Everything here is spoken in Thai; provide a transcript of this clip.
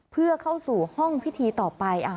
เพื่อเข้าสู่ห้องพิธีต่อไป